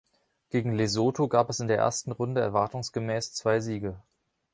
Gegen Lesotho gab es in der ersten Runde erwartungsgemäß zwei Siege.